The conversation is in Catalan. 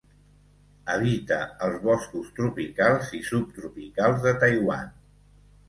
Habita els boscos tropicals i subtropicals de Taiwan.